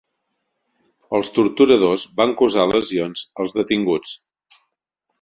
Els torturadors van causar lesions als detinguts.